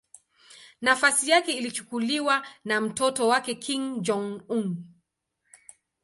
Nafasi yake ilichukuliwa na mtoto wake Kim Jong-un.